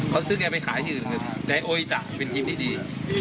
เขาซื้อแกไปขายที่อื่นยายโอ๊ยจะเป็นทีมที่ดี